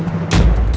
sama siapa cit